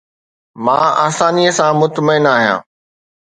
مان آساني سان مطمئن آهيان